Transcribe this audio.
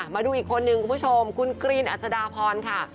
มาดูอีกคนนึงคุณผู้ชมคุณกรีนอัศดาพรค่ะ